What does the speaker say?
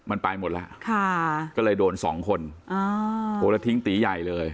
มันไปหมดแล้วค่ะก็เลยโดนสองคนอ่าโหแล้วทิ้งตีใหญ่เลย